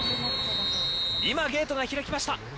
今、ゲートが開きました。